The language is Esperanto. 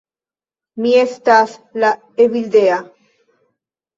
Mi estas la Evildea.